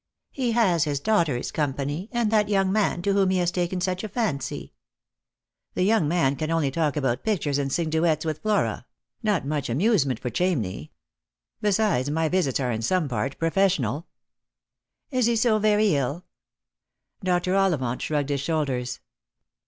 " He has his daughter's company, and that young man to whom he has taken such a fancy." " The young man can only talk about pictures and sing duets with Flora ; not much amusement for Chamney. Besides, my visits are in some part professional." " Is he so very ill ?" Dr, Ollivant shrugged his shoulders.